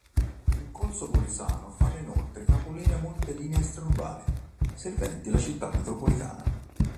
In corso Bolzano fanno inoltre capolinea molte linee extraurbane serventi la città metropolitana.